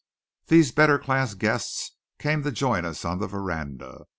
These better class guests came to join us on the veranda.